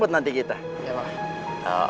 nanti kita terlambat